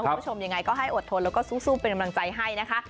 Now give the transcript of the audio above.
คุณผู้ชมยังไงก็ให้อดทนแล้วก็สู้เป็นกำลังใจให้นะคะ